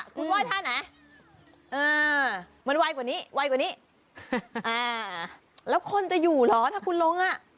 คุณไหว้ท่าไหนอ่ามันไวกว่านี้ไวกว่านี้อ่าแล้วคนจะอยู่เหรอถ้าคุณลงอ่ะ